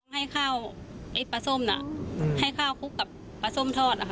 ให้ข้าวไอ้ปลาส้มน่ะให้ข้าวคลุกกับปลาส้มทอดนะคะ